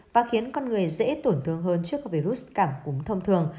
và khiến con người dễ tổn thương hơn trước các virus cảm cúm thông thường